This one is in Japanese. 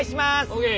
ＯＫ。